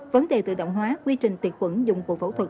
vấn đề tự động hóa quy trình tiệt quẩn dụng cụ phẫu thuật